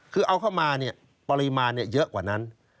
คือเอาเข้ามาปริมาณเยอะกว่านั้น